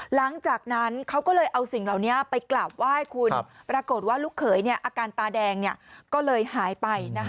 หลังจากนั้นเขาก็เลยเอาสิ่งเหล่านี้ไปกราบไหว้คุณปรากฏว่าลูกเขยอาการตาแดงก็เลยหายไป